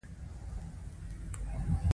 موږ یوازې د زور مخې ته سجده کوو.